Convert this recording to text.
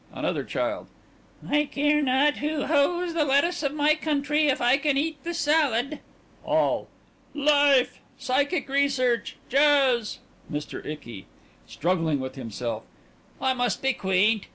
ANOTHER CHILD: I care not who hoes the lettuce of my country if I can eat the salad! ALL: Life! Psychic Research! Jazz! MR. ICKY: (Struggling with himself) I must be quaint.